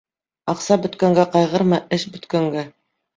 Аҡса бөткәнгә ҡайғырма, эш бөткәнгә